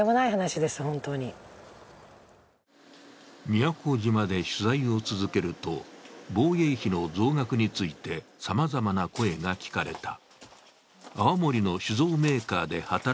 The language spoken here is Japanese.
宮古島で取材を続けると、防衛費の増額についてさまざまな声が聞かれた。